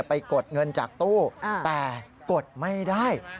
กดเงินจากตู้แต่กดไม่ได้